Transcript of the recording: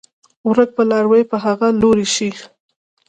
ورک به لاروی په هغه لوري شو